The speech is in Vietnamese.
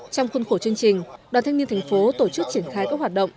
trong khuôn khổ chương trình đoàn thanh niên thành phố tổ chức triển khai các hoạt động